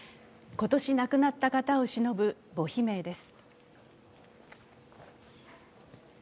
今年亡くなった方をしのぶ墓碑銘です。